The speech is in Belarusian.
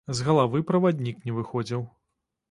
З галавы праваднік не выходзіў.